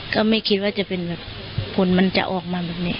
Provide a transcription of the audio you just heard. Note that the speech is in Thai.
ก็ไม่คิดว่าจะเป็นแบบผลมันจะออกมาแบบนี้